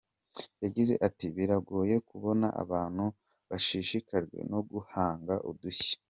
Yagize ati:”Biragoye kubona abantu bashishikajwe no guhanga udushya.